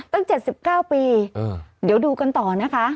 ตั้งเจ็ดสิบเก้าปีเออเดี๋ยวดูกันต่อนะคะ